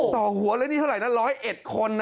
ต่อหัวแล้วนี่เท่าไหร่นะร้อยเอ็ดคน